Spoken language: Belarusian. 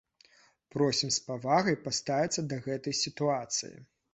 Просім з павагай паставіцца да гэтай сітуацыі.